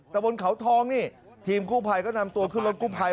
ตะบนเขาทองนี่ทีมกู้ภัยก็นำตัวขึ้นรถกู้ภัย